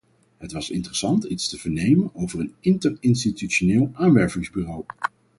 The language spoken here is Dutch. Het was interessant iets te vernemen over een interinstitutioneel aanwervingsbureau.